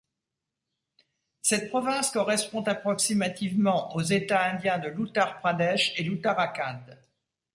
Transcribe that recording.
Cette province correspond approximativement aux états indiens de l'Uttar Pradesh et l'Uttarakhand.